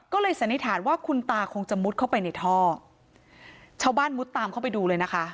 ก็เลยสันนิษฐานว่าคุณตาคงจะมุดเข้าไปในท่อชาวบ้านมุดตามเข้าไปดูเลยนะคะ